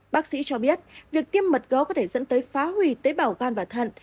bác sĩ cho biết việc tiêm mật gấu có thể dẫn tới phá hủy tế bào gan và thận